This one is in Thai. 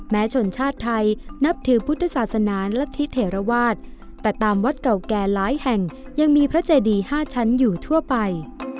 ชนชาติไทยนับถือพุทธศาสนาและธิเทราวาสแต่ตามวัดเก่าแก่หลายแห่งยังมีพระเจดี๕ชั้นอยู่ทั่วไป